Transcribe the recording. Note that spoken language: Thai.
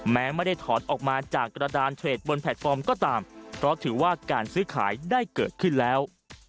แม้ไม่ได้ถอนออกมาจากกระดานเทรดบนแพลตฟอร์มก็ตามเพราะถือว่าการซื้อขายได้เกิดขึ้นแล้ว